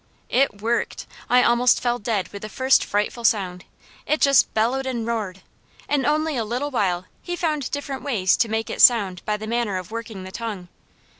It worked! I almost fell dead with the first frightful sound. It just bellowed and roared. In only a little while he found different ways to make it sound by his manner of working the tongue.